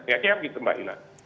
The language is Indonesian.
ya siap gitu mbak ila